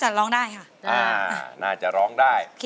มาฟังอินโทรเพลงที่๑๐